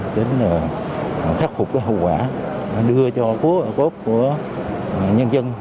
đến khắc phục hậu quả đưa cho phố cốt của nhân dân